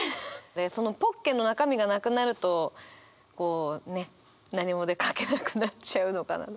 でそのポッケの中身がなくなるとこうね何も書けなくなっちゃうのかな。